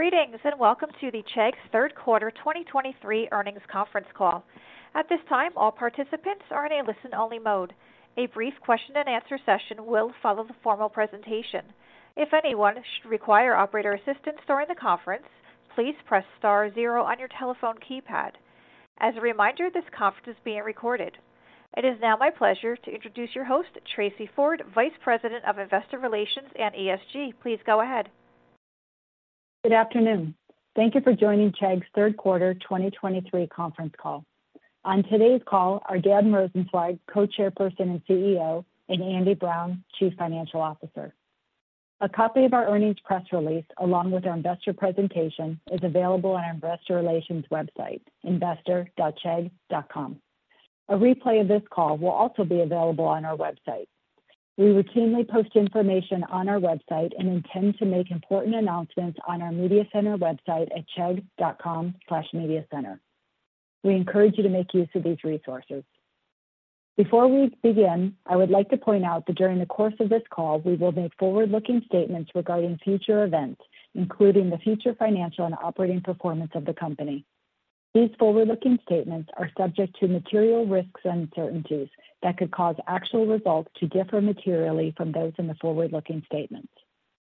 Greetings, and welcome to Chegg's third quarter 2023 earnings conference call. At this time, all participants are in a listen-only mode. A brief question and answer session will follow the formal presentation. If anyone should require operator assistance during the conference, please press star zero on your telephone keypad. As a reminder, this conference is being recorded. It is now my pleasure to introduce your host, Tracey Ford, Vice President of Investor Relations and ESG. Please go ahead. Good afternoon. Thank you for joining Chegg's third quarter 2023 conference call. On today's call are Dan Rosensweig, Co-Chairperson and CEO, and Andy Brown, Chief Financial Officer. A copy of our earnings press release, along with our investor presentation, is available on our investor relations website, investor.chegg.com. A replay of this call will also be available on our website. We routinely post information on our website and intend to make important announcements on our Media Center website at chegg.com/mediacenter. We encourage you to make use of these resources. Before we begin, I would like to point out that during the course of this call, we will make forward-looking statements regarding future events, including the future financial and operating performance of the company. These forward-looking statements are subject to material risks and uncertainties that could cause actual results to differ materially from those in the forward-looking statements.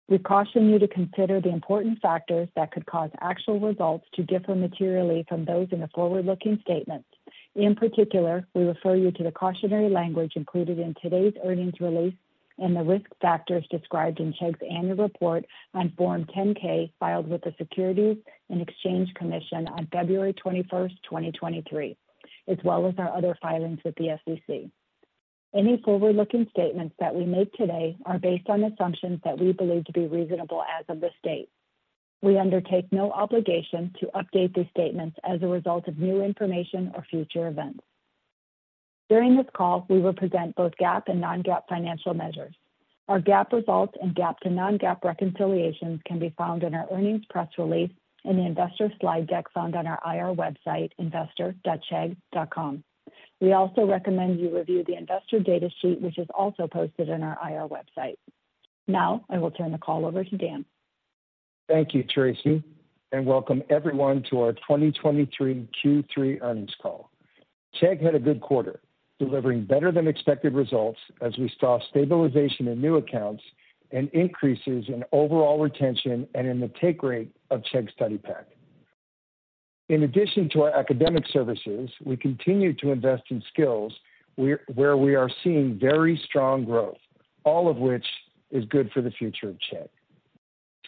We caution you to consider the important factors that could cause actual results to differ materially from those in the forward-looking statements. In particular, we refer you to the cautionary language included in today's earnings release and the risk factors described in Chegg's annual report on Form 10-K, filed with the Securities and Exchange Commission on February 21st, 2023, as well as our other filings with the SEC. Any forward-looking statements that we make today are based on assumptions that we believe to be reasonable as of this date. We undertake no obligation to update these statements as a result of new information or future events. During this call, we will present both GAAP and Non-GAAP financial measures. Our GAAP results and GAAP to Non-GAAP reconciliations can be found in our earnings press release in the investor slide deck found on our IR website, investor.chegg.com. We also recommend you review the investor data sheet, which is also posted on our IR website. Now, I will turn the call over to Dan. Thank you, Tracey, and welcome everyone to our 2023 Q3 earnings call. Chegg had a good quarter, delivering better-than-expected results as we saw stabilization in new accounts and increases in overall retention and in the take rate of Chegg Study Pack. In addition to our academic services, we continue to invest in skills where we are seeing very strong growth, all of which is good for the future of Chegg.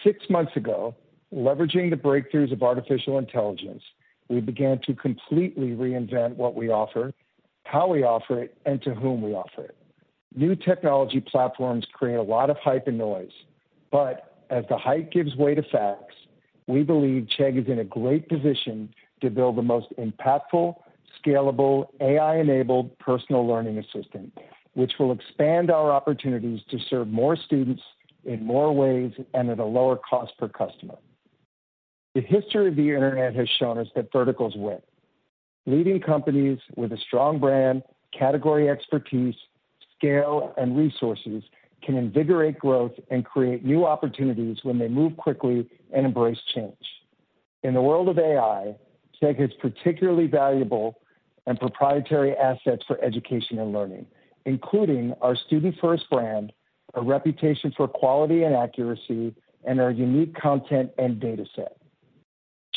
Six months ago, leveraging the breakthroughs of artificial intelligence, we began to completely reinvent what we offer, how we offer it, and to whom we offer it. New technology platforms create a lot of hype and noise, but as the hype gives way to facts, we believe Chegg is in a great position to build the most impactful, scalable, AI-enabled personal learning assistant, which will expand our opportunities to serve more students in more ways and at a lower cost per customer. The history of the internet has shown us that verticals win. Leading companies with a strong brand, category expertise, scale, and resources can invigorate growth and create new opportunities when they move quickly and embrace change. In the world of AI, Chegg has particularly valuable and proprietary assets for education and learning, including our student-first brand, a reputation for quality and accuracy, and our unique content and data set.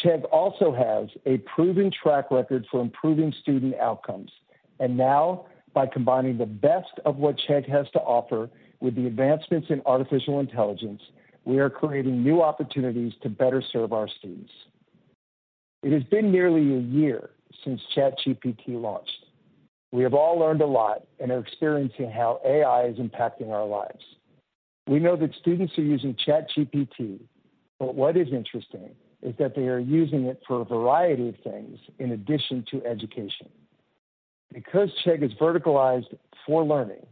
Chegg also has a proven track record for improving student outcomes. Now, by combining the best of what Chegg has to offer with the advancements in artificial intelligence, we are creating new opportunities to better serve our students. It has been nearly a year since ChatGPT launched. We have all learned a lot and are experiencing how AI is impacting our lives. We know that students are using ChatGPT, but what is interesting is that they are using it for a variety of things in addition to education. Because Chegg is verticalized for learning,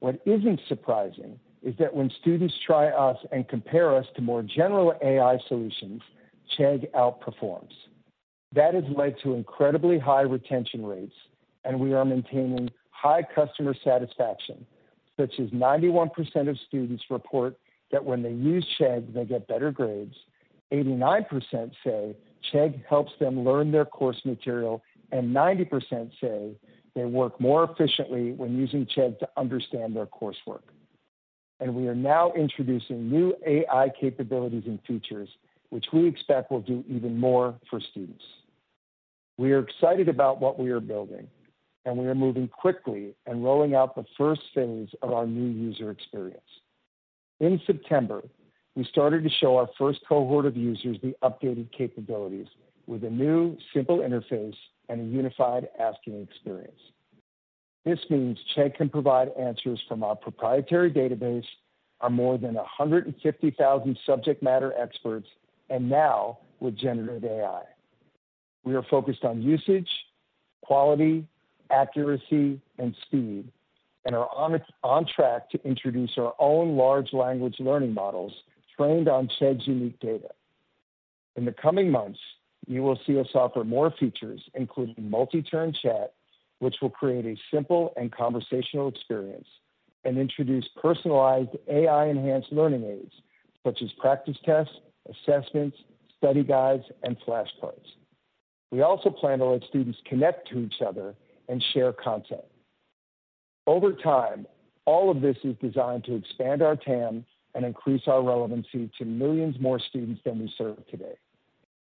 what isn't surprising is that when students try us and compare us to more general AI solutions, Chegg outperforms. That has led to incredibly high retention rates, and we are maintaining high customer satisfaction, such as 91% of students report that when they use Chegg, they get better grades. 89% say Chegg helps them learn their course material, and 90% say they work more efficiently when using Chegg to understand their coursework. We are now introducing new AI capabilities and features, which we expect will do even more for students. We are excited about what we are building, and we are moving quickly and rolling out the first phase of our new user experience. In September, we started to show our first cohort of users the updated capabilities with a new, simple interface and a unified asking experience. This means Chegg can provide answers from our proprietary database of more than 150,000 subject matter experts, and now with generative AI. We are focused on usage, quality, accuracy, and speed, and are on track to introduce our own large language models trained on Chegg's unique data. In the coming months, you will see us offer more features, including multi-turn chat, which will create a simple and conversational experience and introduce personalized AI-enhanced learning aids, such as practice tests, assessments, study guides, and flashcards. We also plan to let students connect to each other and share content. Over time, all of this is designed to expand our TAM and increase our relevancy to millions more students than we serve today.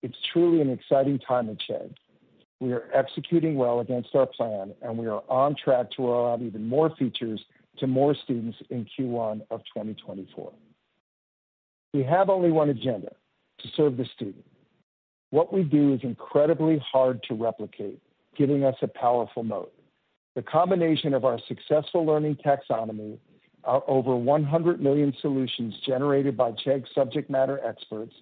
It's truly an exciting time at Chegg. We are executing well against our plan, and we are on track to roll out even more features to more students in Q1 of 2024. We have only one agenda: to serve the student. What we do is incredibly hard to replicate, giving us a powerful moat. The combination of our successful learning taxonomy, our over 100 million solutions generated by Chegg subject matter experts,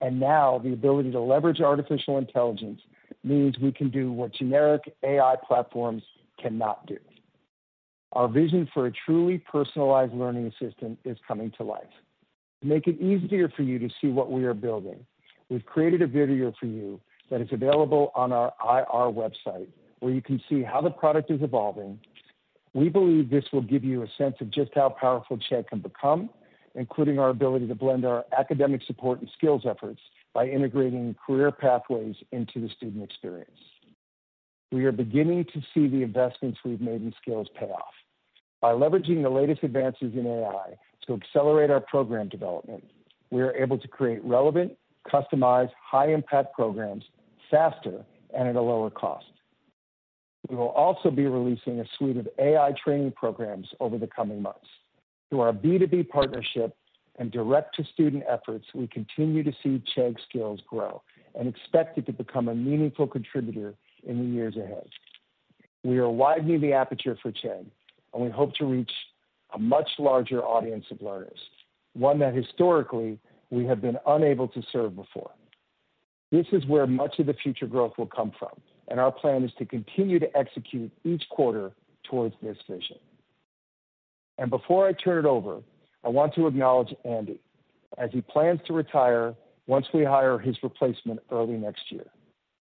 and now the ability to leverage artificial intelligence, means we can do what generic AI platforms cannot do. Our vision for a truly personalized learning assistant is coming to life. To make it easier for you to see what we are building, we've created a video for you that is available on our IR website, where you can see how the product is evolving. We believe this will give you a sense of just how powerful Chegg can become, including our ability to blend our academic support and skills efforts by integrating career pathways into the student experience. We are beginning to see the investments we've made in skills pay off. By leveraging the latest advances in AI to accelerate our program development, we are able to create relevant, customized, high-impact programs faster and at a lower cost. We will also be releasing a suite of AI training programs over the coming months. Through our B2B partnership and direct-to-student efforts, we continue to see Chegg Skills grow and expect it to become a meaningful contributor in the years ahead. We are widening the aperture for Chegg, and we hope to reach a much larger audience of learners, one that historically we have been unable to serve before. This is where much of the future growth will come from, and our plan is to continue to execute each quarter towards this vision. Before I turn it over, I want to acknowledge Andy as he plans to retire once we hire his replacement early next year.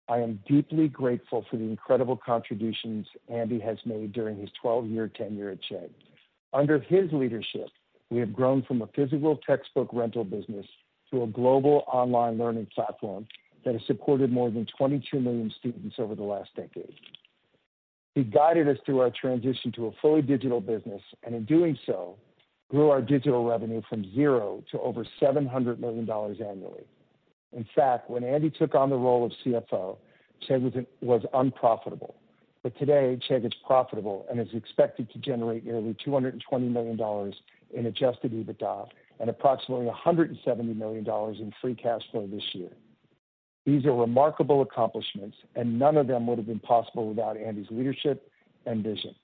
I am deeply grateful for the incredible contributions Andy has made during his 12 year tenure at Chegg. Under his leadership, we have grown from a physical textbook rental business to a global online learning platform that has supported more than 22 million students over the last decade. He guided us through our transition to a fully digital business, and in doing so, grew our digital revenue from zero to over $700 million annually. In fact, when Andy took on the role of CFO, Chegg was unprofitable, but today, Chegg is profitable and is expected to generate nearly $220 million in Adjusted EBITDA and approximately $170 million in Free Cash Flow this year. These are remarkable accomplishments, and none of them would have been possible without Andy's leadership and vision.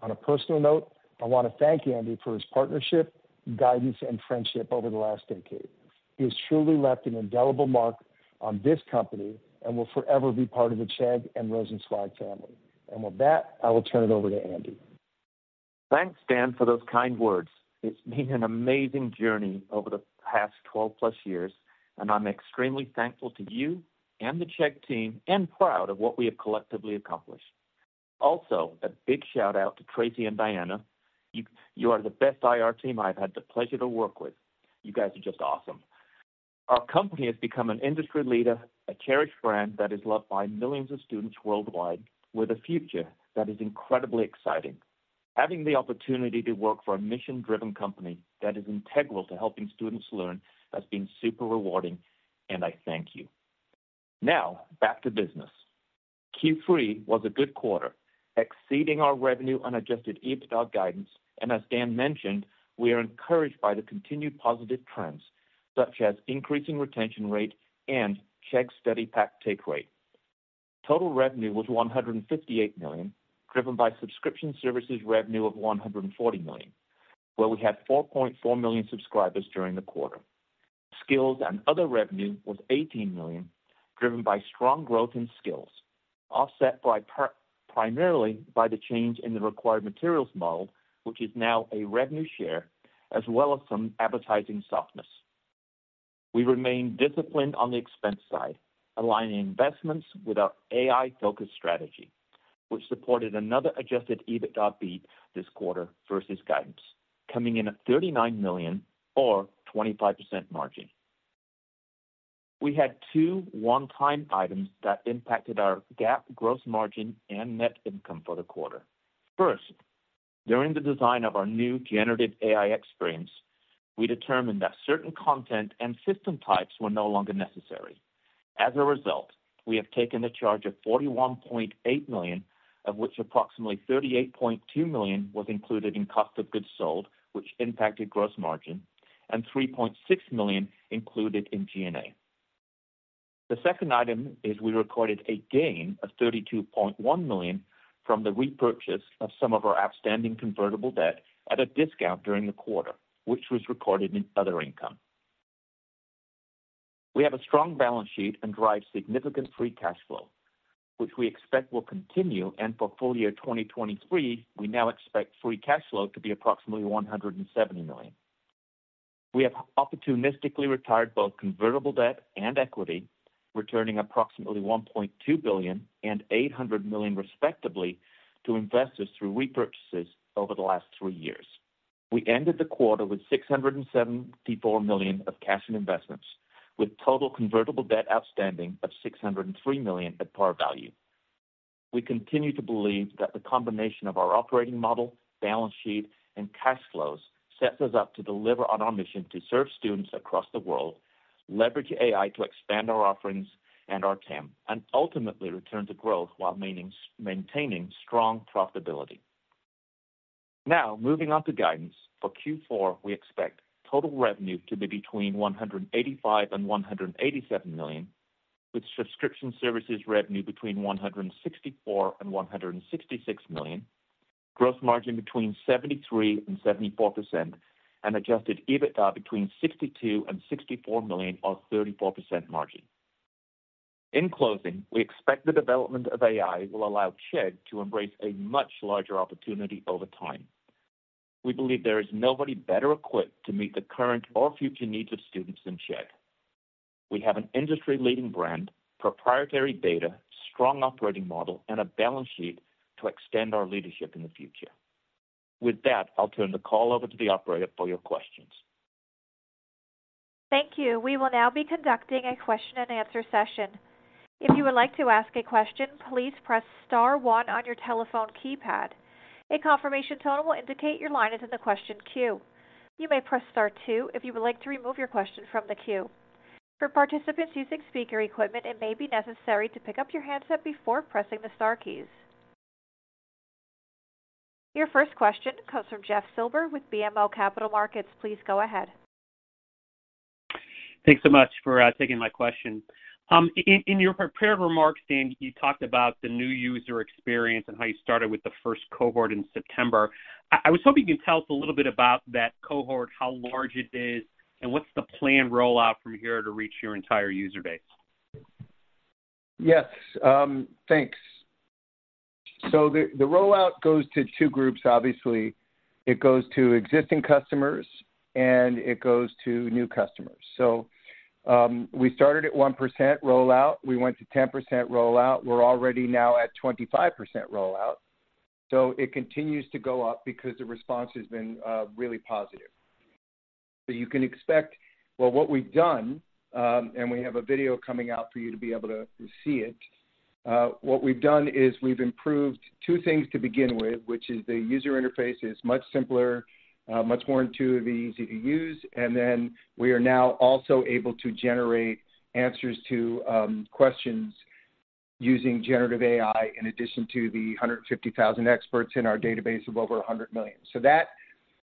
On a personal note, I want to thank Andy for his partnership, guidance, and friendship over the last decade. He has truly left an indelible mark on this company and will forever be part of the Chegg and Rosensweig family. With that, I will turn it over to Andy. Thanks, Dan, for those kind words. It's been an amazing journey over the past 12+ years, and I'm extremely thankful to you and the Chegg team, and proud of what we have collectively accomplished. Also, a big shout-out to Tracey and Diana. You, you are the best IR team I've had the pleasure to work with. You guys are just awesome. Our company has become an industry leader, a cherished brand that is loved by millions of students worldwide, with a future that is incredibly exciting. Having the opportunity to work for a mission-driven company that is integral to helping students learn has been super rewarding, and I thank you. Now, back to business. Q3 was a good quarter, exceeding our revenue on Adjusted EBITDA guidance, and as Dan mentioned, we are encouraged by the continued positive trends, such as increasing retention rate and Chegg Study Pack take rate. Total revenue was $158 million, driven by subscription services revenue of $140 million, where we had 4.4 million subscribers during the quarter. Skills and other revenue was $18 million, driven by strong growth in skills, offset primarily by the change in the required materials model, which is now a revenue share, as well as some advertising softness. We remain disciplined on the expense side, aligning investments with our AI-focused strategy, which supported another Adjusted EBITDA beat this quarter versus guidance, coming in at $39 million or 25% margin. We had two one-time items that impacted our GAAP gross margin and net income for the quarter. First, during the design of our new generative AI experience, we determined that certain content and system types were no longer necessary. As a result, we have taken a charge of $41.8 million, of which approximately $38.2 million was included in cost of goods sold, which impacted gross margin, and $3.6 million included in G&A. The second item is we recorded a gain of $32.1 million from the repurchase of some of our outstanding convertible debt at a discount during the quarter, which was recorded in other income. We have a strong balance sheet and drive significant free cash flow, which we expect will continue, and for full-year 2023, we now expect free cash flow to be approximately $170 million. We have opportunistically retired both convertible debt and equity, returning approximately $1.2 billion and $800 million, respectively, to investors through repurchases over the last three years. We ended the quarter with $674 million of cash and investments, with total convertible debt outstanding of $603 million at par value. We continue to believe that the combination of our operating model, balance sheet, and cash flows sets us up to deliver on our mission to serve students across the world, leverage AI to expand our offerings and our TAM, and ultimately return to growth while maintaining strong profitability. Now, moving on to guidance. For Q4, we expect total revenue to be between $185 million and $187 million, with subscription services revenue between $164 million and $166 million, gross margin between 73%-74%, and Adjusted EBITDA between $62 million and $64 million, or 34% margin. In closing, we expect the development of AI will allow Chegg to embrace a much larger opportunity over time. We believe there is nobody better equipped to meet the current or future needs of students than Chegg. We have an industry-leading brand, proprietary data, strong operating model, and a balance sheet to extend our leadership in the future. With that, I'll turn the call over to the operator for your questions. Thank you. We will now be conducting a question-and-answer session. If you would like to ask a question, please press star one on your telephone keypad. A confirmation tone will indicate your line is in the question queue. You may press star two if you would like to remove your question from the queue. For participants using speaker equipment, it may be necessary to pick up your handset before pressing the star keys. Your first question comes from Jeff Silber with BMO Capital Markets. Please go ahead. Thanks so much for taking my question. In your prepared remarks, Dan, you talked about the new user experience and how you started with the first cohort in September. I was hoping you could tell us a little bit about that cohort, how large it is, and what's the planned rollout from here to reach your entire user base? Yes, thanks. So the rollout goes to two groups. Obviously, it goes to existing customers, and it goes to new customers. So, we started at 1% rollout. We went to 10% rollout. We're already now at 25% rollout, so it continues to go up because the response has been really positive. So you can expect... Well, what we've done, and we have a video coming out for you to be able to see it. What we've done is we've improved two things to begin with, which is the user interface is much simpler, much more intuitive, easy to use, and then we are now also able to generate answers to questions using generative AI in addition to the 150,000 experts in our database of over 100 million. So that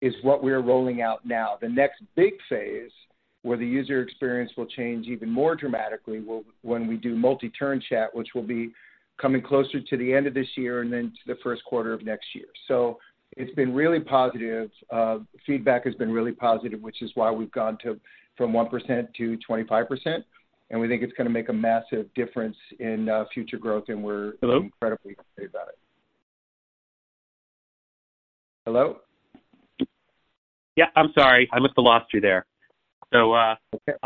is what we're rolling out now. The next big phase, where the user experience will change even more dramatically, will, when we do Multi-turn Chat, which will be coming closer to the end of this year and then to the first quarter of next year. So it's been really positive. Feedback has been really positive, which is why we've gone to, from 1% to 25%, and we think it's gonna make a massive difference in, future growth, and we're- Hello? incredibly excited about it. Hello? Yeah, I'm sorry. I must have lost you there. So, Okay.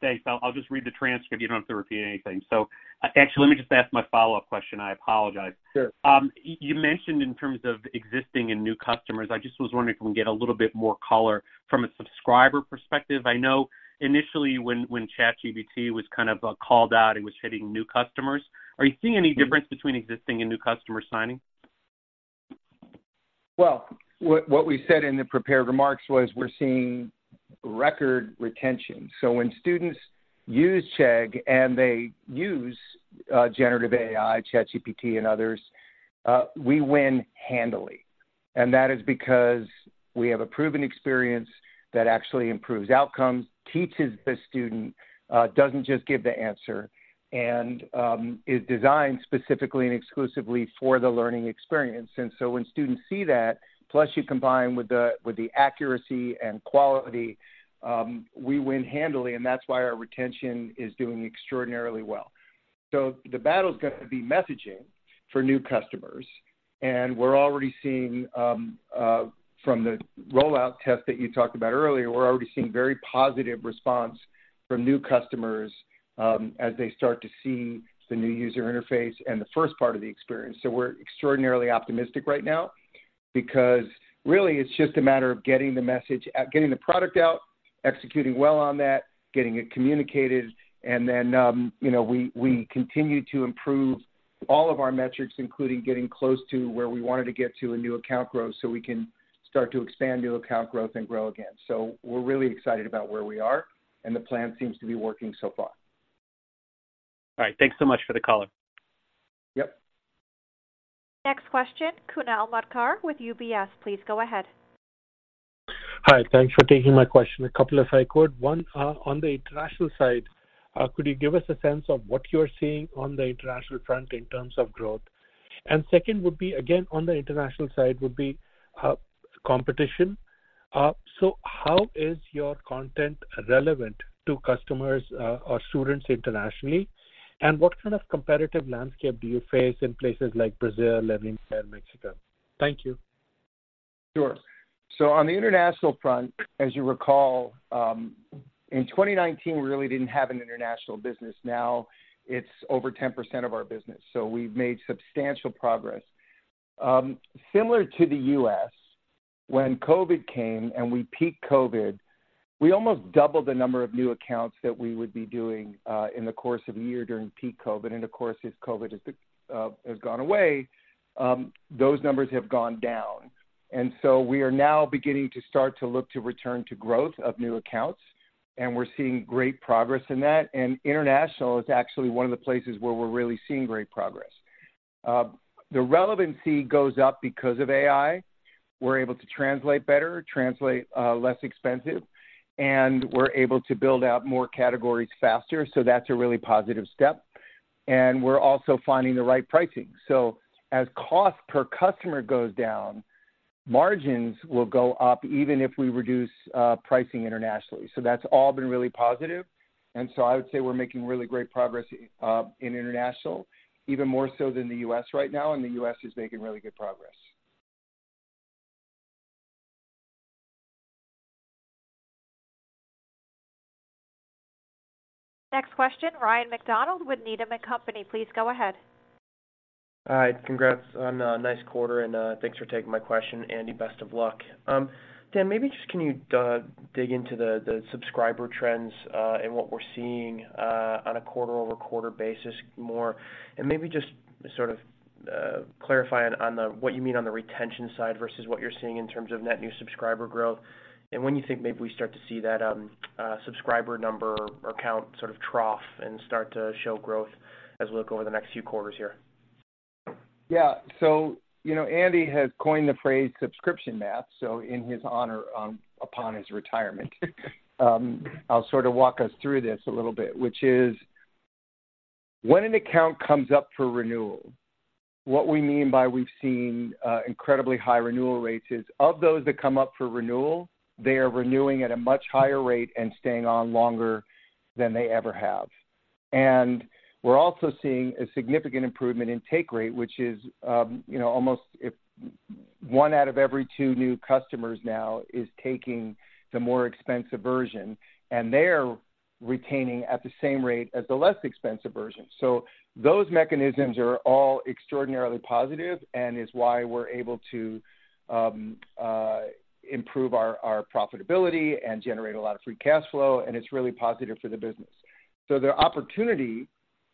Thanks. I'll just read the transcript. You don't have to repeat anything. So actually, let me just ask my follow-up question. I apologize. Sure. You mentioned in terms of existing and new customers, I just was wondering if we can get a little bit more color from a subscriber perspective. I know initially when ChatGPT was kind of called out, it was hitting new customers. Are you seeing any difference between existing and new customer signing? Well, what we said in the prepared remarks was we're seeing record retention. So when students use Chegg, and they use generative AI, ChatGPT, and others, we win handily. And that is because we have a proven experience that actually improves outcomes, teaches the student, doesn't just give the answer, and is designed specifically and exclusively for the learning experience. And so when students see that, plus you combine with the accuracy and quality, we win handily, and that's why our retention is doing extraordinarily well. So the battle's gonna be messaging for new customers, and we're already seeing from the rollout test that you talked about earlier, we're already seeing very positive response from new customers, as they start to see the new user interface and the first part of the experience. So we're extraordinarily optimistic right now because really it's just a matter of getting the message out, getting the product out, executing well on that, getting it communicated, and then, you know, we continue to improve all of our metrics, including getting close to where we wanted to get to in new account growth, so we can start to expand new account growth and grow again. So we're really excited about where we are, and the plan seems to be working so far. All right. Thanks so much for the color. Yep. Next question, Kunal Madhukar with UBS. Please go ahead. Hi, thanks for taking my question. A couple, if I could. One, on the international side, could you give us a sense of what you're seeing on the international front in terms of growth? And second would be, again, on the international side, competition. So how is your content relevant to customers, or students internationally? And what kind of competitive landscape do you face in places like Brazil, Latin America, and Mexico? Thank you. Sure. So on the international front, as you recall, in 2019, we really didn't have an international business. Now it's over 10% of our business, so we've made substantial progress. Similar to the U.S., when COVID came and we peak COVID, we almost doubled the number of new accounts that we would be doing in the course of a year during peak COVID. And of course, as COVID has gone away, those numbers have gone down. And so we are now beginning to start to look to return to growth of new accounts, and we're seeing great progress in that. And international is actually one of the places where we're really seeing great progress. The relevancy goes up because of AI. We're able to translate better, translate less expensive, and we're able to build out more categories faster. So that's a really positive step. And we're also finding the right pricing. So as cost per customer goes down, margins will go up, even if we reduce pricing internationally. So that's all been really positive, and so I would say we're making really great progress in international, even more so than the U.S. right now, and the U.S. is making really good progress. Next question, Ryan MacDonald with Needham & Company. Please go ahead. Hi, congrats on a nice quarter, and, thanks for taking my question, Andy. Best of luck. Dan, maybe just can you, dig into the, the subscriber trends, and what we're seeing, on a quarter-over-quarter basis more, and maybe just sort of, clarify on, on the what you mean on the retention side versus what you're seeing in terms of net new subscriber growth. And when you think maybe we start to see that, subscriber number or count sort of trough and start to show growth as we look over the next few quarters here? Yeah. So, you know, Andy has coined the phrase subscription math, so in his honor, upon his retirement, I'll sort of walk us through this a little bit, which is when an account comes up for renewal, what we mean by we've seen incredibly high renewal rates is, of those that come up for renewal, they are renewing at a much higher rate and staying on longer than they ever have. And we're also seeing a significant improvement in take rate, which is, you know, almost if one out of every two new customers now is taking the more expensive version, and they're retaining at the same rate as the less expensive version. So those mechanisms are all extraordinarily positive and is why we're able to improve our profitability and generate a lot of free cash flow, and it's really positive for the business. So the opportunity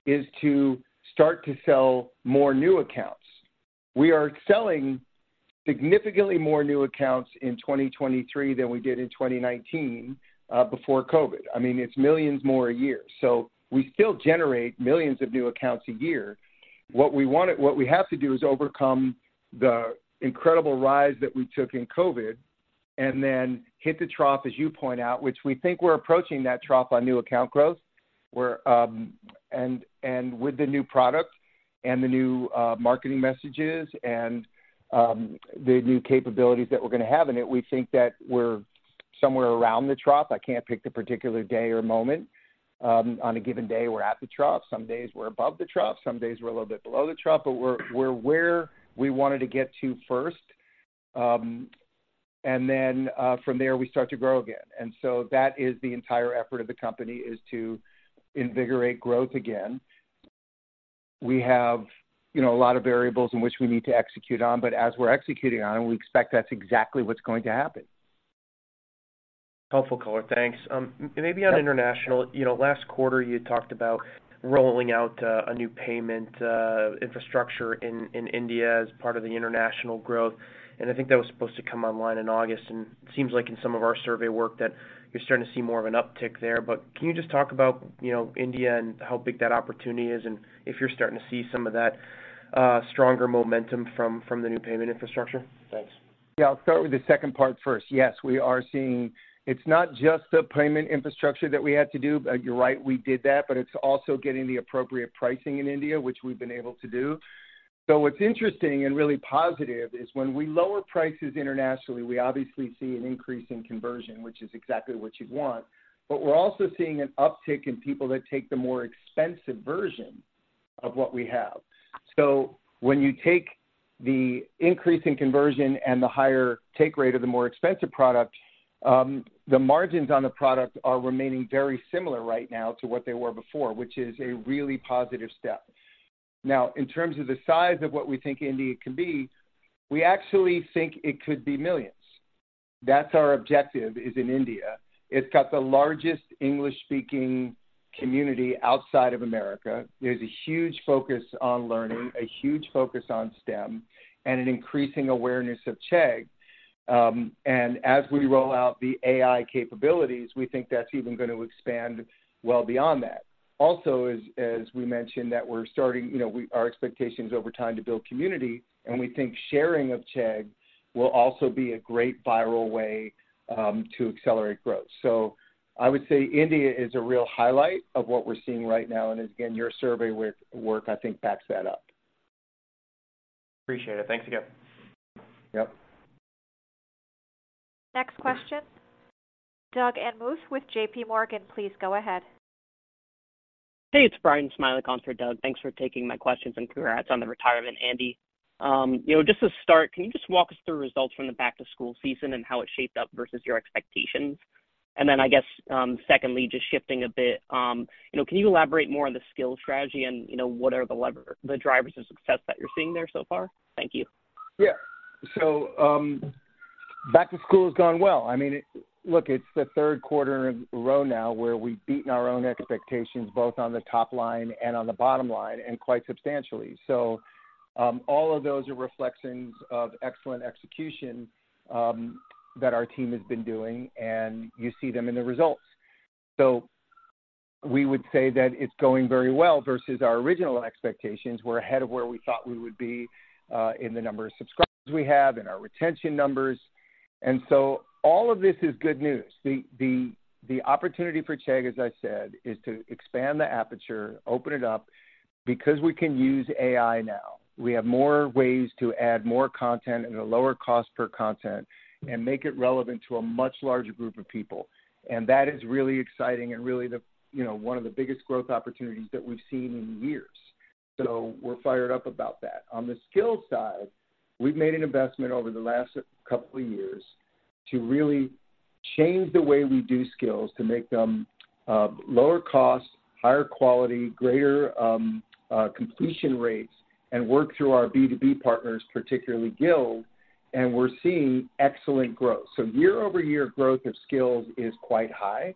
is to start to sell more new accounts. We are selling significantly more new accounts in 2023 than we did in 2019 before COVID. I mean, it's millions more a year. So we still generate millions of new accounts a year. What we have to do is overcome the incredible rise that we took in COVID and then hit the trough, as you point out, which we think we're approaching that trough on new account growth, where, And with the new product and the new marketing messages and the new capabilities that we're gonna have in it, we think that we're somewhere around the trough. I can't pick the particular day or moment. On a given day, we're at the trough. Some days we're above the trough, some days we're a little bit below the trough, but we're where we wanted to get to first. And then from there, we start to grow again. And so that is the entire effort of the company, is to invigorate growth again. We have, you know, a lot of variables in which we need to execute on, but as we're executing on, we expect that's exactly what's going to happen. Helpful color. Thanks. Maybe on international, you know, last quarter, you talked about rolling out a new payment infrastructure in India as part of the international growth, and I think that was supposed to come online in August. It seems like in some of our survey work that you're starting to see more of an uptick there. But can you just talk about, you know, India and how big that opportunity is, and if you're starting to see some of that stronger momentum from the new payment infrastructure? Thanks. Yeah. I'll start with the second part first. Yes, we are seeing, It's not just the payment infrastructure that we had to do. You're right, we did that, but it's also getting the appropriate pricing in India, which we've been able to do. So what's interesting and really positive is when we lower prices internationally, we obviously see an increase in conversion, which is exactly what you'd want. But we're also seeing an uptick in people that take the more expensive version of what we have. So when you take the increase in conversion and the higher take rate of the more expensive product, the margins on the product are remaining very similar right now to what they were before, which is a really positive step. Now, in terms of the size of what we think India can be, we actually think it could be millions. That's our objective, is in India. It's got the largest English-speaking community outside of America. There's a huge focus on learning, a huge focus on STEM, and an increasing awareness of Chegg. And as we roll out the AI capabilities, we think that's even going to expand well beyond that. Also, as we mentioned, that we're starting, you know, our expectations over time to build community, and we think sharing of Chegg will also be a great viral way to accelerate growth. So I would say India is a real highlight of what we're seeing right now, and again, your survey with work, I think, backs that up. Appreciate it. Thanks again. Yep. Next question, Doug Anmuth with JPMorgan, please go ahead. Hey, it's Bryan Smilek, on for Doug. Thanks for taking my questions, and congrats on the retirement, Andy. You know, just to start, can you just walk us through results from the back-to-school season and how it shaped up versus your expectations? And then, I guess, secondly, just shifting a bit, you know, can you elaborate more on the skill strategy and, you know, what are the drivers of success that you're seeing there so far? Thank you. Yeah. So, back to school has gone well. I mean, look, it's the third quarter in a row now where we've beaten our own expectations, both on the top line and on the bottom line, and quite substantially. So, all of those are reflections of excellent execution that our team has been doing, and you see them in the results. So we would say that it's going very well versus our original expectations. We're ahead of where we thought we would be in the number of subscribers we have, in our retention numbers. And so all of this is good news. The opportunity for Chegg, as I said, is to expand the aperture, open it up. Because we can use AI now, we have more ways to add more content at a lower cost per content and make it relevant to a much larger group of people. And that is really exciting and really the, you know, one of the biggest growth opportunities that we've seen in years. So we're fired up about that. On the skills side, we've made an investment over the last couple of years to really change the way we do skills, to make them lower cost, higher quality, greater completion rates, and work through our B2B partners, particularly Guild, and we're seeing excellent growth. So year-over-year growth of skills is quite high,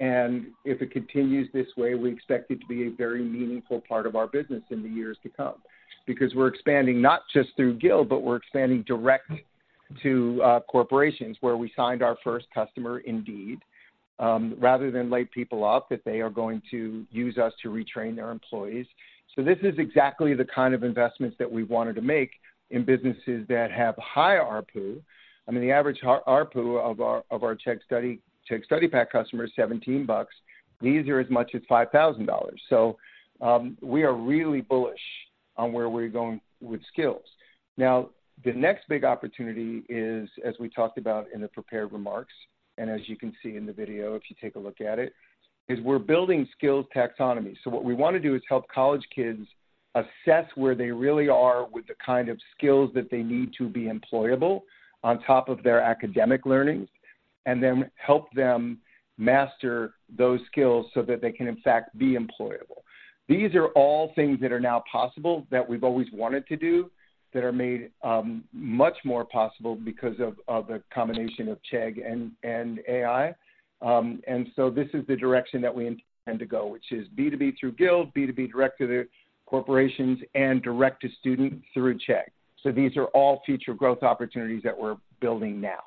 and if it continues this way, we expect it to be a very meaningful part of our business in the years to come. Because we're expanding not just through Guild, but we're expanding direct to corporations, where we signed our first customer, Indeed. Rather than lay people off, that they are going to use us to retrain their employees. So this is exactly the kind of investments that we wanted to make in businesses that have high ARPU. I mean, the average ARPU of our Chegg Study, Chegg Study Pack customer is $17. These are as much as $5,000. So we are really bullish on where we're going with skills. Now, the next big opportunity is, as we talked about in the prepared remarks, and as you can see in the video, if you take a look at it, is we're building skills taxonomy. So what we wanna do is help college kids assess where they really are with the kind of skills that they need to be employable on top of their academic learnings, and then help them master those skills so that they can, in fact, be employable. These are all things that are now possible, that we've always wanted to do, that are made much more possible because of the combination of Chegg and AI. And so this is the direction that we intend to go, which is B2B through Guild, B2B direct to the corporations, and direct to student through Chegg. So these are all future growth opportunities that we're building now.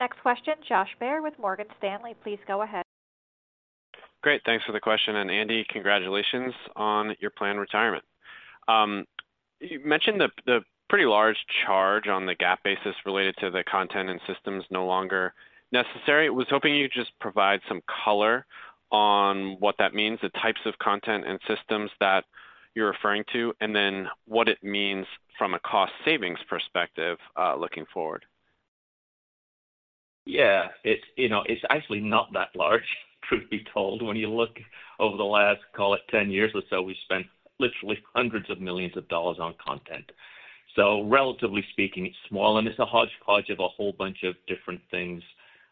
Next question, Josh Baer with Morgan Stanley, please go ahead. Great, thanks for the question, and Andy, congratulations on your planned retirement. You mentioned the pretty large charge on the GAAP basis related to the content and systems no longer necessary. I was hoping you'd just provide some color on what that means, the types of content and systems that you're referring to, and then what it means from a cost savings perspective, looking forward. Yeah. It's, you know, it's actually not that large, truth be told. When you look over the last, call it, 10 years or so, we've spent literally hundreds of millions of dollars on content. So relatively speaking, it's small, and it's a hodgepodge of a whole bunch of different things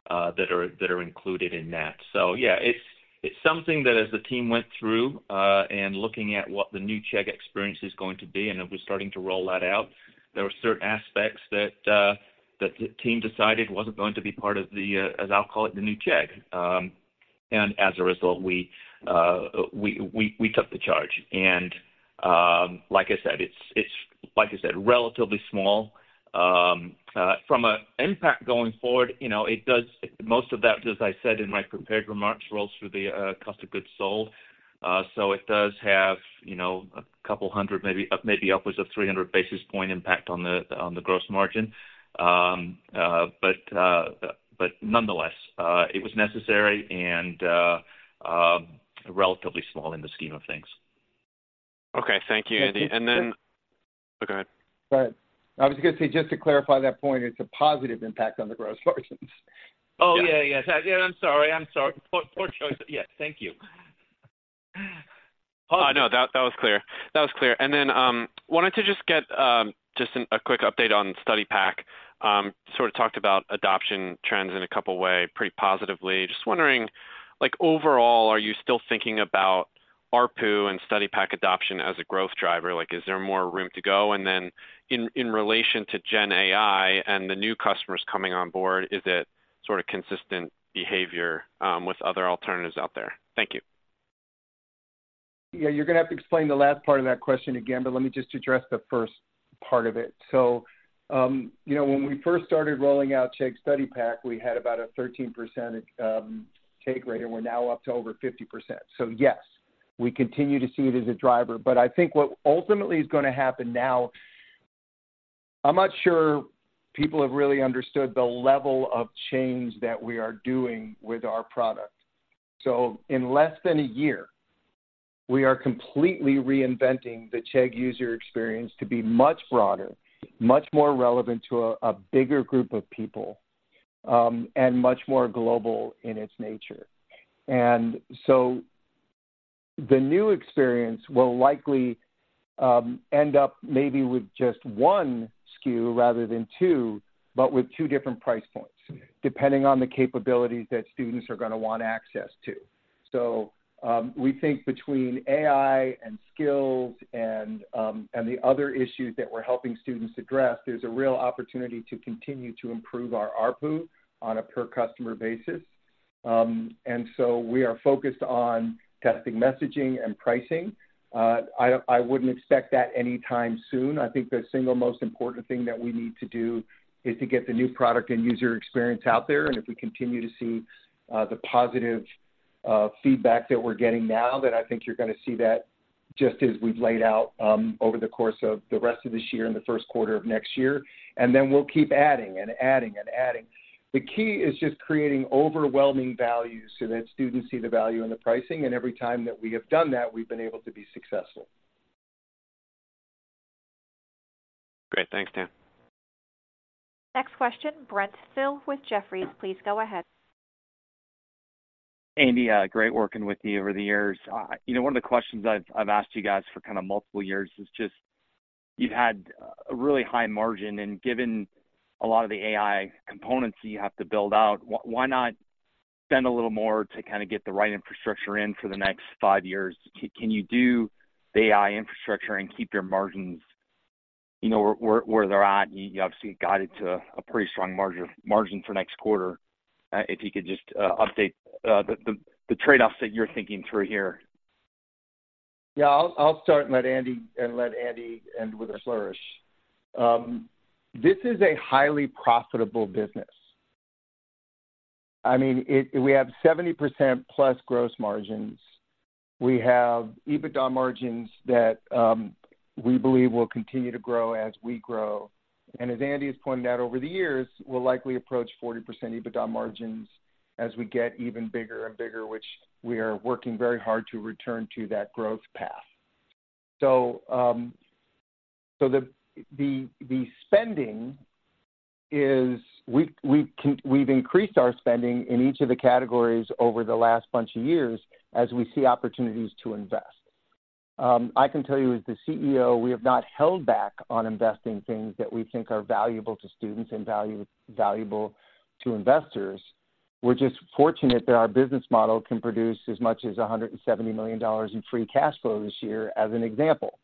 that are included in that. So yeah, it's something that as the team went through and looking at what the new Chegg experience is going to be, and it was starting to roll that out, there were certain aspects that the team decided wasn't going to be part of the, as I'll call it, the new Chegg. And as a result, we took the charge. And, like I said, it's like I said, relatively small. From an impact going forward, you know, it does. Most of that, as I said in my prepared remarks, rolls through the cost of goods sold. So it does have, you know, a couple hundred, maybe upwards of 300 basis point impact on the gross margin. But nonetheless, it was necessary and relatively small in the scheme of things. Okay. Thank you, Andy. And then, Oh, go ahead. Go ahead. I was gonna say, just to clarify that point, it's a positive impact on the gross margins. Oh, yeah, yes. Yeah, I'm sorry, I'm sorry. Poor, poor choice. Yes, thank you. Oh, no, that, that was clear. That was clear. And then wanted to just get just a quick update on Study Pack. Sort of talked about adoption trends in a couple ways, pretty positively. Just wondering, like, overall, are you still thinking about ARPU and Study Pack adoption as a growth driver? Like, is there more room to go? And then in relation to Gen AI and the new customers coming on board, is it sort of consistent behavior with other alternatives out there? Thank you. Yeah, you're gonna have to explain the last part of that question again, but let me just address the first part of it. So, you know, when we first started rolling out Chegg Study Pack, we had about a 13% take rate, and we're now up to over 50%. So yes, we continue to see it as a driver. But I think what ultimately is gonna happen now. I'm not sure people have really understood the level of change that we are doing with our product. So in less than a year, we are completely reinventing the Chegg user experience to be much broader, much more relevant to a bigger group of people, and much more global in its nature. The new experience will likely end up maybe with just one SKU rather than two, but with two different price points, depending on the capabilities that students are gonna want access to. We think between AI and skills and the other issues that we're helping students address, there's a real opportunity to continue to improve our ARPU on a per-customer basis. We are focused on testing, messaging, and pricing. I wouldn't expect that anytime soon. I think the single most important thing that we need to do is to get the new product and user experience out there. If we continue to see the positive feedback that we're getting now, then I think you're gonna see that just as we've laid out over the course of the rest of this year and the first quarter of next year. Then we'll keep adding and adding and adding. The key is just creating overwhelming value so that students see the value in the pricing, and every time that we have done that, we've been able to be successful. Great. Thanks, Dan. Next question, Brent Thill with Jefferies. Please go ahead. Andy, great working with you over the years. You know, one of the questions I've asked you guys for kind of multiple years is just, you've had a really high margin, and given a lot of the AI components that you have to build out, why not spend a little more to kind of get the right infrastructure in for the next five years? Can you do the AI infrastructure and keep your margins, you know, where they're at? You obviously guided to a pretty strong margin for next quarter. If you could just update the trade-offs that you're thinking through here. Yeah, I'll start and let Andy and let Andy end with a flourish. This is a highly profitable business. I mean, we have 70%+ gross margins. We have EBITDA margins that we believe will continue to grow as we grow. And as Andy has pointed out over the years, we'll likely approach 40% EBITDA margins as we get even bigger and bigger, which we are working very hard to return to that growth path. So the spending is we've increased our spending in each of the categories over the last bunch of years as we see opportunities to invest. I can tell you, as the CEO, we have not held back on investing things that we think are valuable to students and valuable to investors. We're just fortunate that our business model can produce as much as $170 million in free cash flow this year, as an example.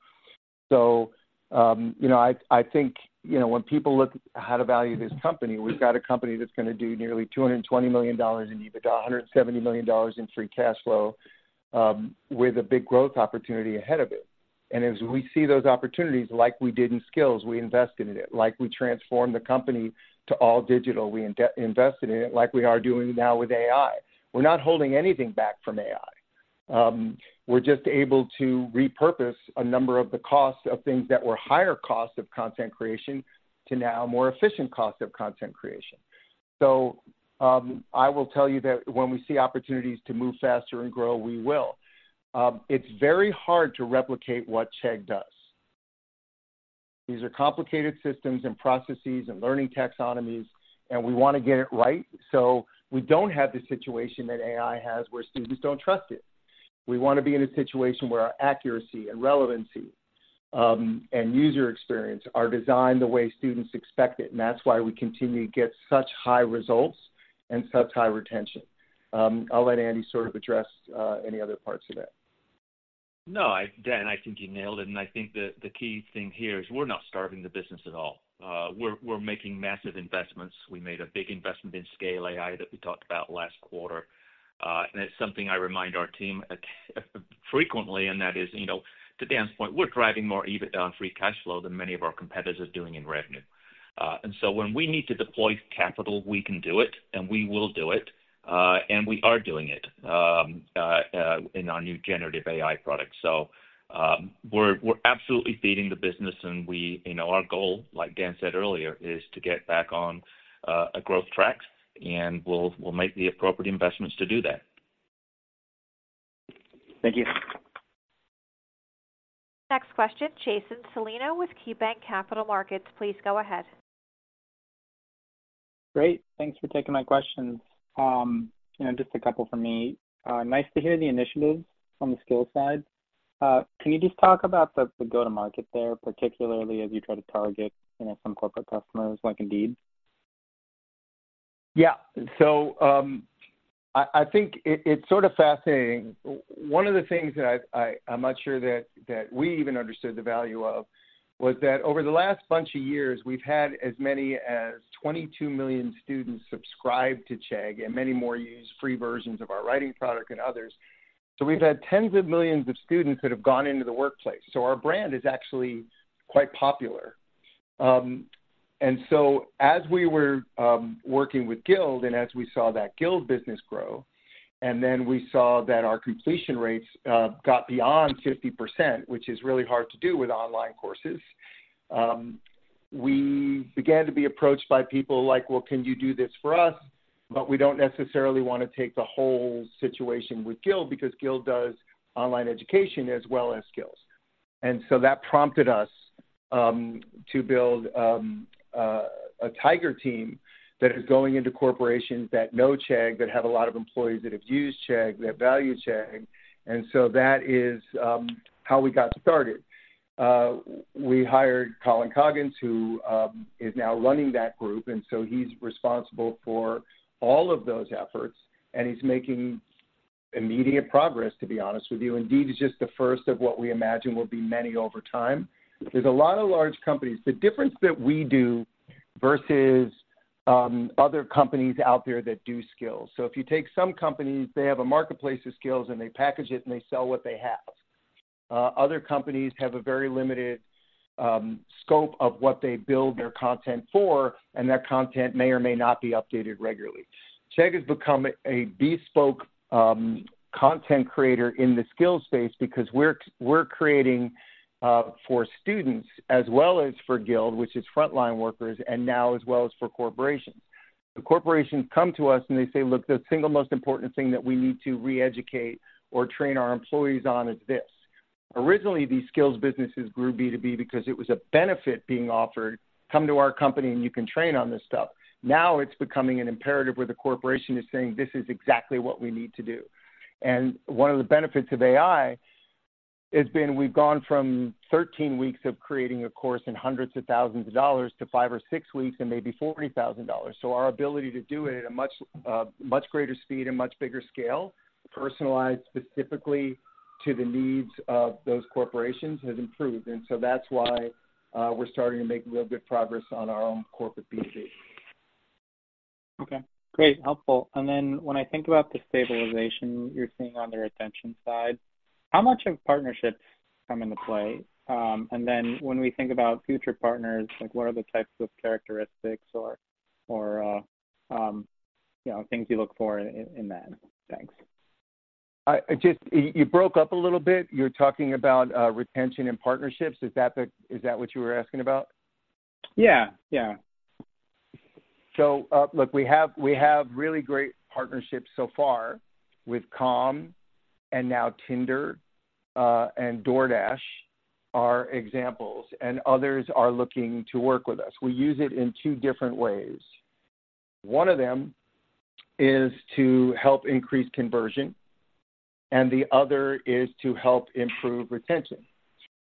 So, you know, I think, you know, when people look how to value this company, we've got a company that's gonna do nearly $220 million in EBITDA, $170 million in free cash flow, with a big growth opportunity ahead of it. And as we see those opportunities, like we did in Skills, we invested in it. Like we transformed the company to all digital, we invested in it, like we are doing now with AI. We're not holding anything back from AI. We're just able to repurpose a number of the costs of things that were higher costs of content creation to now more efficient costs of content creation. So, I will tell you that when we see opportunities to move faster and grow, we will. It's very hard to replicate what Chegg does. These are complicated systems and processes and learning taxonomies, and we wanna get it right, so we don't have the situation that AI has, where students don't trust it. We wanna be in a situation where our accuracy and relevancy, and user experience are designed the way students expect it, and that's why we continue to get such high results and such high retention. I'll let Andy sort of address any other parts of that. No, Dan, I think you nailed it, and I think the key thing here is we're not starving the business at all. We're making massive investments. We made a big investment in Scale AI that we talked about last quarter. And it's something I remind our team at frequently, and that is, you know, to Dan's point, we're driving more EBITDA on free cash flow than many of our competitors are doing in revenue. And so when we need to deploy capital, we can do it, and we will do it, and we are doing it in our new Generative AI product. So, we're absolutely feeding the business, and we, you know, our goal, like Dan said earlier, is to get back on a growth track, and we'll make the appropriate investments to do that. Thank you. Next question, Jason Celino with KeyBanc Capital Markets. Please go ahead. Great. Thanks for taking my questions. You know, just a couple from me. Nice to hear the initiatives from the skills side. Can you just talk about the, the go-to-market there, particularly as you try to target, you know, some corporate customers like Indeed? Yeah. So, I think it's sort of fascinating. One of the things that I've, I'm not sure that we even understood the value of, was that over the last bunch of years, we've had as many as 22 million students subscribe to Chegg, and many more use free versions of our writing product and others. So we've had tens of millions of students that have gone into the workplace. So our brand is actually quite popular. And so as we were working with Guild, and as we saw that Guild business grow, and then we saw that our completion rates got beyond 50%, which is really hard to do with online courses, we began to be approached by people like, "Well, can you do this for us? But we don't necessarily want to take the whole situation with Guild, because Guild does online education as well as skills. And so that prompted us to build a tiger team that is going into corporations that know Chegg, that have a lot of employees that have used Chegg, that value Chegg. And so that is how we got started. We hired Colin Coggins, who is now running that group, and so he's responsible for all of those efforts, and he's making immediate progress, to be honest with you. Indeed is just the first of what we imagine will be many over time. There's a lot of large companies. The difference that we do versus other companies out there that do skills. So if you take some companies, they have a marketplace of skills, and they package it, and they sell what they have. Other companies have a very limited scope of what they build their content for, and that content may or may not be updated regularly. Chegg has become a bespoke content creator in the skills space because we're creating for students as well as for Guild, which is frontline workers, and now as well as for corporations. The corporations come to us, and they say, "Look, the single most important thing that we need to reeducate or train our employees on is this." Originally, these skills businesses grew B2B because it was a benefit being offered. Come to our company, and you can train on this stuff. Now it's becoming an imperative where the corporation is saying, "This is exactly what we need to do." And one of the benefits of AI has been we've gone from 13 weeks of creating a course and hundreds of thousands of dollars to five or six weeks and maybe $40,000. So our ability to do it at a much, much greater speed and much bigger scale, personalized specifically to the needs of those corporations, has improved. And so that's why, we're starting to make real good progress on our own corporate B2B. Okay, great, helpful. And then when I think about the stabilization you're seeing on the retention side, how much of partnerships come into play? And then when we think about future partners, like what are the types of characteristics or, you know, things you look for in that? Thanks. I just, you broke up a little bit. You're talking about retention and partnerships. Is that what you were asking about? Yeah, yeah. So, look, we have, we have really great partnerships so far with Calm and now Tinder, and DoorDash are examples, and others are looking to work with us. We use it in two different ways. One of them is to help increase conversion, and the other is to help improve retention.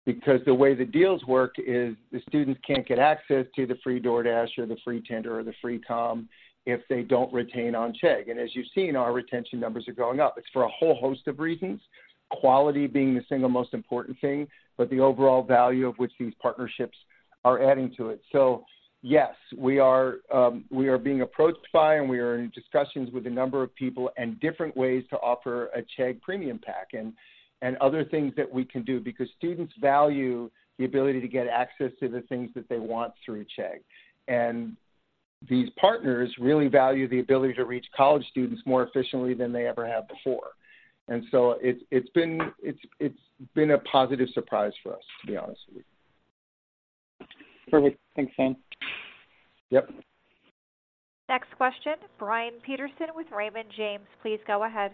Because the way the deals work is the students can't get access to the free DoorDash or the free Tinder or the free Calm if they don't retain on Chegg. And as you've seen, our retention numbers are going up. It's for a whole host of reasons, quality being the single most important thing, but the overall value of which these partnerships are adding to it. So yes, we are being approached by and we are in discussions with a number of people and different ways to offer a Chegg Premium pack and other things that we can do because students value the ability to get access to the things that they want through Chegg. And these partners really value the ability to reach college students more efficiently than they ever have before. And so it's been a positive surprise for us, to be honest with you. Perfect. Thanks, Dan. Yep. Next question, Brian Peterson with Raymond James. Please go ahead.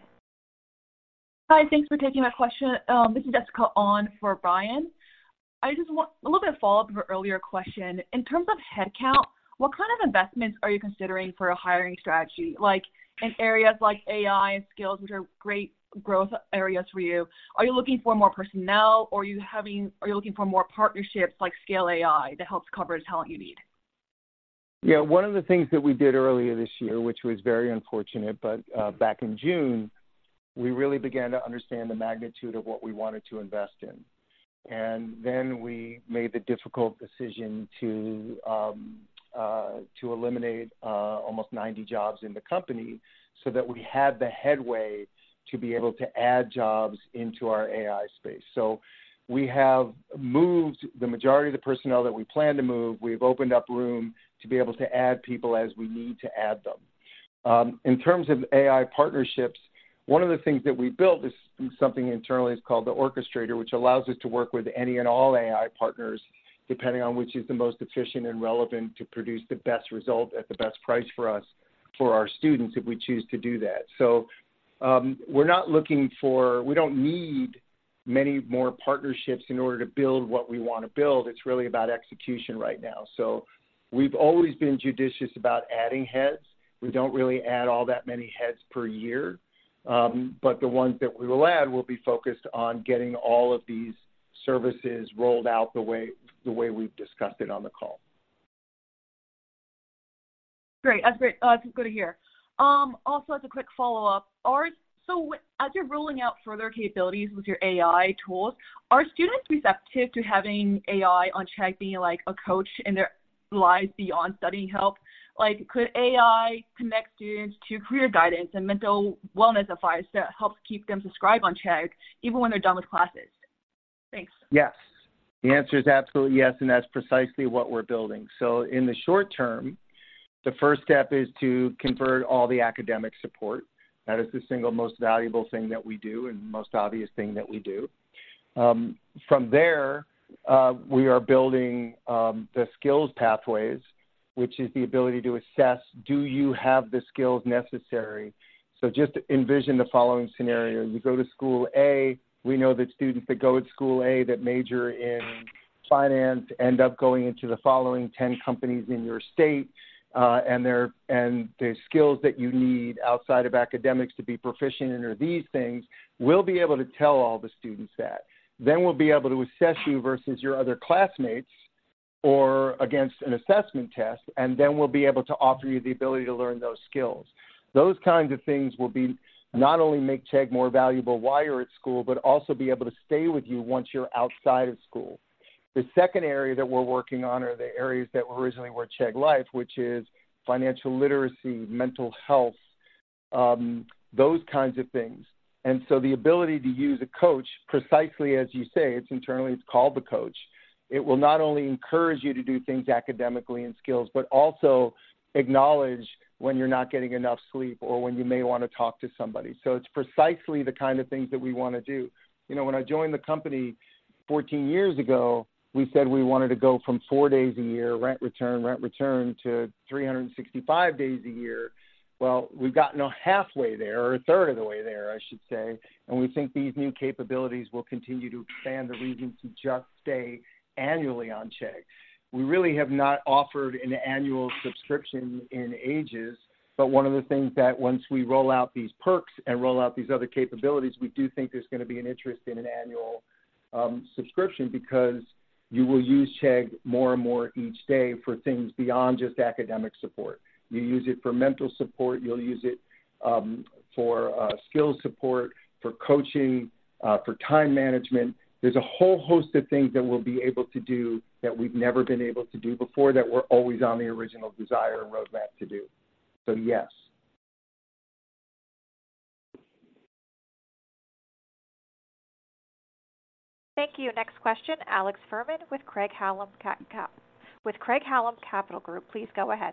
Hi, thanks for taking my question. This is Jessica on for Brian. I just want a little bit of follow-up to your earlier question. In terms of headcount, what kind of investments are you considering for a hiring strategy? Like, in areas like AI and skills, which are great growth areas for you, are you looking for more personnel, or are you having- are you looking for more partnerships like Scale AI that helps cover the talent you need? Yeah, one of the things that we did earlier this year, which was very unfortunate, but back in June, we really began to understand the magnitude of what we wanted to invest in. And then we made the difficult decision to eliminate almost 90 jobs in the company so that we had the headway to be able to add jobs into our AI space. So we have moved the majority of the personnel that we plan to move. We've opened up room to be able to add people as we need to add them. In terms of AI partnerships, one of the things that we built is something internally. It's called the Orchestrator, which allows us to work with any and all AI partners, depending on which is the most efficient and relevant, to produce the best result at the best price for us, for our students, if we choose to do that. So, we're not looking for we don't need many more partnerships in order to build what we want to build. It's really about execution right now. So we've always been judicious about adding heads. We don't really add all that many heads per year, but the ones that we will add will be focused on getting all of these services rolled out the way, the way we've discussed it on the call. Great. That's great. That's good to hear. Also, as a quick follow-up, so as you're rolling out further capabilities with your AI tools, are students receptive to having AI on track, being, like, a coach in their lives beyond studying help? Like, could AI connect students to career guidance and mental wellness advice that helps keep them subscribed on Chegg even when they're done with classes? Thanks. Yes. The answer is absolutely yes, and that's precisely what we're building. So in the short term, the first step is to convert all the academic support. That is the single most valuable thing that we do and most obvious thing that we do. From there, we are building the skills pathways, which is the ability to assess, do you have the skills necessary? So just envision the following scenario: You go to school A, we know that students that go at school A that major in finance end up going into the following 10 companies in your state, and the skills that you need outside of academics to be proficient in are these things. We'll be able to tell all the students that. Then we'll be able to assess you versus your other classmates, or against an assessment test, and then we'll be able to offer you the ability to learn those skills. Those kinds of things will be, not only make Chegg more valuable while you're at school, but also be able to stay with you once you're outside of school. The second area that we're working on are the areas that were originally Chegg Life, which is financial literacy, mental health, those kinds of things. And so the ability to use a coach, precisely as you say, it's internally called the coach. It will not only encourage you to do things academically and skills, but also acknowledge when you're not getting enough sleep or when you may wanna talk to somebody. So it's precisely the kind of things that we wanna do. You know, when I joined the company 14 years ago, we said we wanted to go from four days a year, rent, return, rent, return, to 365 days a year. Well, we've gotten halfway there, or a third of the way there, I should say, and we think these new capabilities will continue to expand the reason to just stay annually on Chegg. We really have not offered an annual subscription in ages, but one of the things that once we roll out these perks and roll out these other capabilities, we do think there's gonna be an interest in an annual subscription because you will use Chegg more and more each day for things beyond just academic support. You use it for mental support, you'll use it for skill support, for coaching, for time management. There's a whole host of things that we'll be able to do that we've never been able to do before, that were always on the original desire and roadmap to do. So, yes. Thank you. Next question, Alex Fuhrman with Craig-Hallum Capital Group. Please go ahead.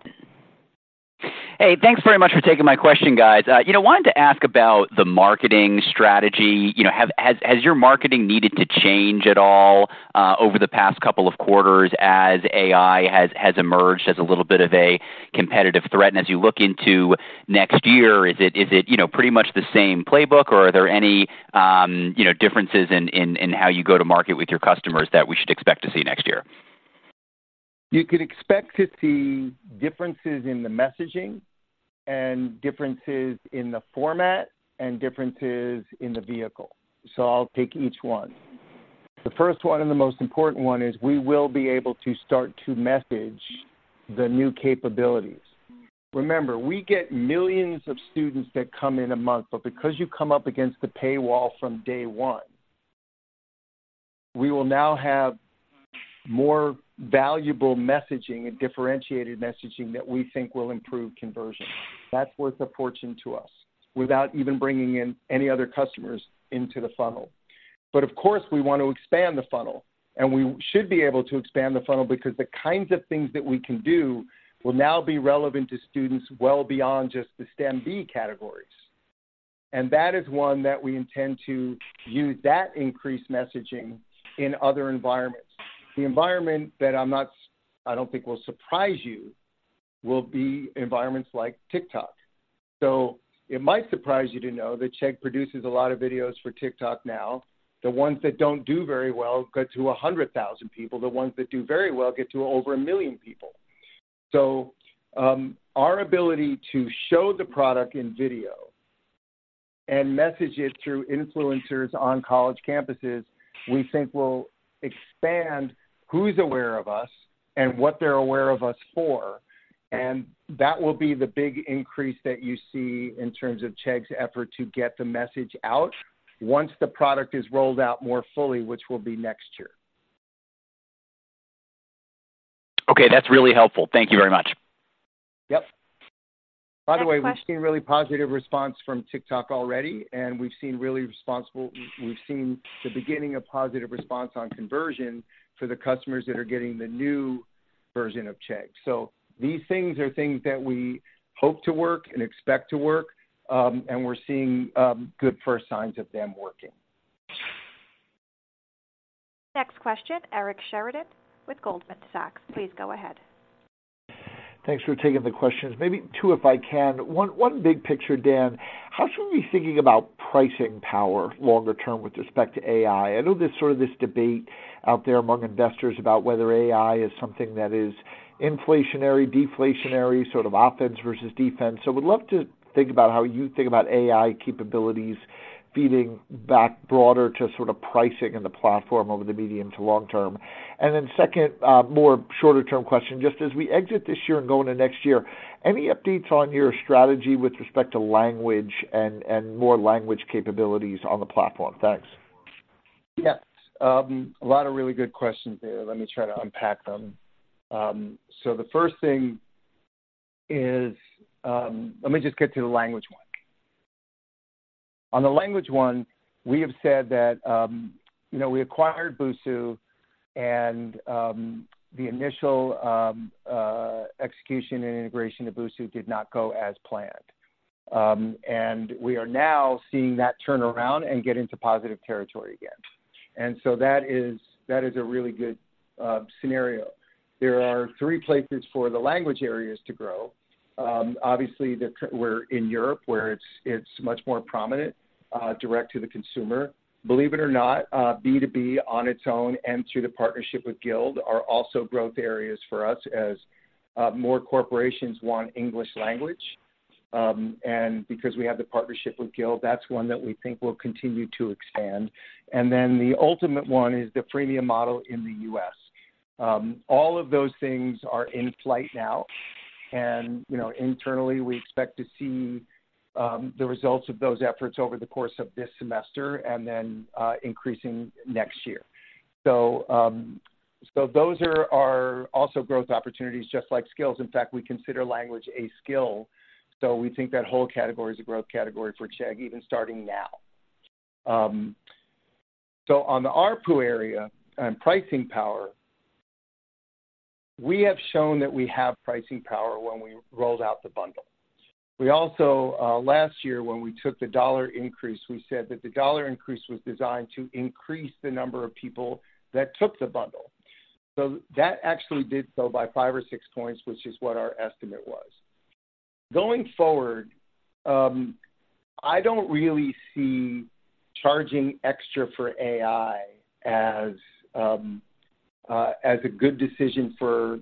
Hey, thanks very much for taking my question, guys. You know, wanted to ask about the marketing strategy. You know, has your marketing needed to change at all over the past couple of quarters as AI has emerged as a little bit of a competitive threat? And as you look into next year, is it you know, pretty much the same playbook, or are there any you know, differences in how you go to market with your customers that we should expect to see next year? You can expect to see differences in the messaging and differences in the format and differences in the vehicle. So I'll take each one. The first one, and the most important one, is we will be able to start to message the new capabilities. Remember, we get millions of students that come in a month, but because you come up against the paywall from day one, we will now have more valuable messaging and differentiated messaging that we think will improve conversion. That's worth a fortune to us, without even bringing in any other customers into the funnel. But of course, we want to expand the funnel, and we should be able to expand the funnel because the kinds of things that we can do will now be relevant to students well beyond just the STEM B categories. And that is one that we intend to use that increased messaging in other environments. The environment that I'm not, I don't think will surprise you, will be environments like TikTok. So it might surprise you to know that Chegg produces a lot of videos for TikTok now. The ones that don't do very well get to 100,000 people. The ones that do very well get to over one million people. So, our ability to show the product in video and message it through influencers on college campuses, we think will expand who's aware of us and what they're aware of us for, and that will be the big increase that you see in terms of Chegg's effort to get the message out once the product is rolled out more fully, which will be next year. Okay, that's really helpful. Thank you very much. Yep. Next question- By the way, we've seen really positive response from TikTok already, and we've seen the beginning of positive response on conversion for the customers that are getting the new version of Chegg. So these things are things that we hope to work and expect to work, and we're seeing good first signs of them working. Next question, Eric Sheridan with Goldman Sachs. Please go ahead. Thanks for taking the questions. Maybe two, if I can. One, one big picture, Dan: How should we be thinking about pricing power longer term with respect to AI? I know there's sort of this debate out there among investors about whether AI is something that is inflationary, deflationary, sort of offense versus defense. So would love to think about how you think about AI capabilities feeding back broader to sort of pricing and the platform over the medium to long term. And then second, more shorter-term question, just as we exit this year and go into next year, any updates on your strategy with respect to language and, and more language capabilities on the platform? Thanks. Yeah. A lot of really good questions there. Let me try to unpack them. So the first thing is let me just get to the language one. On the language one, we have said that, you know, we acquired Busuu and, the initial, execution and integration of Busuu did not go as planned. And we are now seeing that turn around and get into positive territory again. And so that is, that is a really good scenario. There are three places for the language areas to grow. Obviously, we're in Europe, where it's, it's much more prominent, direct to the consumer. Believe it or not, B2B on its own and through the partnership with Guild are also growth areas for us as, more corporations want English language. And because we have the partnership with Guild, that's one that we think will continue to expand. And then the ultimate one is the freemium model in the U.S. All of those things are in flight now, and, you know, internally, we expect to see the results of those efforts over the course of this semester and then increasing next year. So those are our also growth opportunities, just like skills. In fact, we consider language a skill, so we think that whole category is a growth category for Chegg, even starting now. So on the ARPU area and pricing power, we have shown that we have pricing power when we rolled out the bundle. We also last year, when we took the dollar increase, we said that the dollar increase was designed to increase the number of people that took the bundle. So that actually did so by five or six points, which is what our estimate was. Going forward, I don't really see charging extra for AI as a good decision for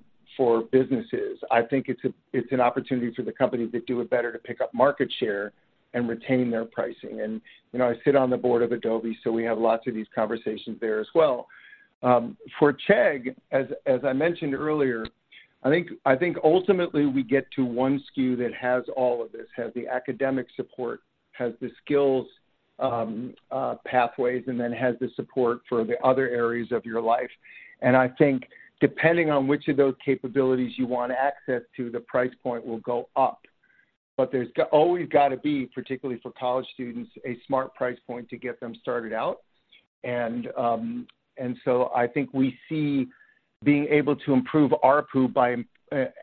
businesses. I think it's an opportunity for the companies that do it better to pick up market share and retain their pricing. And, you know, I sit on the board of Adobe, so we have lots of these conversations there as well. For Chegg, as I mentioned earlier, I think ultimately we get to one SKU that has all of this, has the academic support, has the skills, pathways, and then has the support for the other areas of your life. And I think depending on which of those capabilities you want access to, the price point will go up. But there's always got to be, particularly for college students, a smart price point to get them started out. And so I think we see being able to improve ARPU by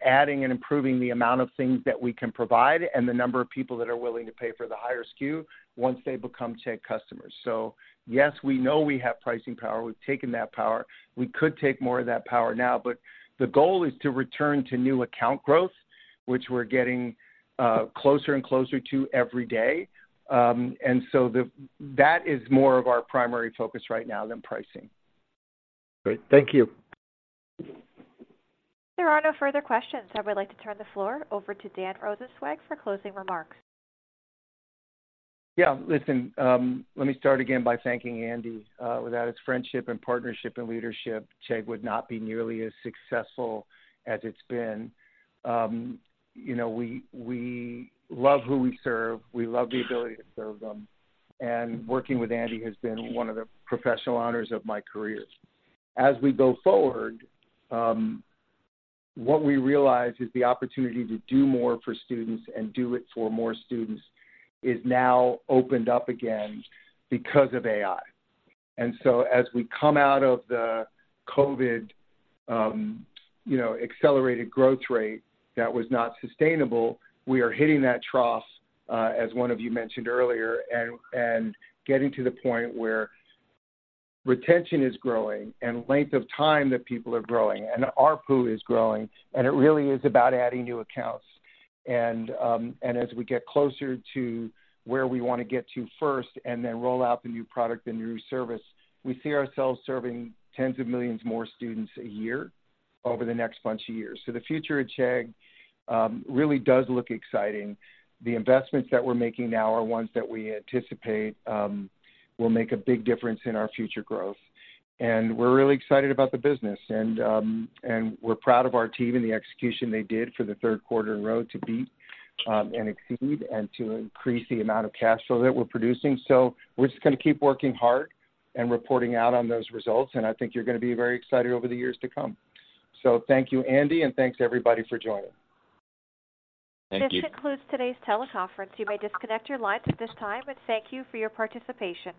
adding and improving the amount of things that we can provide and the number of people that are willing to pay for the higher SKU once they become Chegg customers. So yes, we know we have pricing power. We've taken that power. We could take more of that power now, but the goal is to return to new account growth, which we're getting closer and closer to every day. And so that is more of our primary focus right now than pricing. Great. Thank you. There are no further questions. I would like to turn the floor over to Dan Rosensweig for closing remarks. Yeah, listen, let me start again by thanking Andy. Without his friendship and partnership and leadership, Chegg would not be nearly as successful as it's been. You know, we love who we serve, we love the ability to serve them, and working with Andy has been one of the professional honors of my career. As we go forward, what we realize is the opportunity to do more for students and do it for more students is now opened up again because of AI. And so as we come out of the COVID, you know, accelerated growth rate that was not sustainable, we are hitting that trough, as one of you mentioned earlier, and getting to the point where retention is growing and length of time that people are growing and ARPU is growing, and it really is about adding new accounts. And, and as we get closer to where we want to get to first and then roll out the new product and new service, we see ourselves serving tens of millions more students a year over the next bunch of years. So the future at Chegg really does look exciting. The investments that we're making now are ones that we anticipate will make a big difference in our future growth. And we're really excited about the business, and, and we're proud of our team and the execution they did for the third quarter in a row to beat, and exceed and to increase the amount of cash flow that we're producing. So we're just gonna keep working hard and reporting out on those results, and I think you're gonna be very excited over the years to come. Thank you, Andy, and thanks everybody for joining. Thank you. This concludes today's teleconference. You may disconnect your lines at this time, and thank you for your participation.